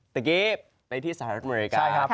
ตะเก๊ไปที่สหรัฐอเมริกา